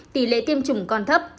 tỷ lệ tiêm chủng còn thấp